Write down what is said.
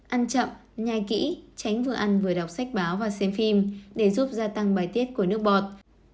ăn chậm nhai kỹ tránh vừa ăn vừa đọc sách báo và xem phim để giúp gia tăng bài tiết của nước bọt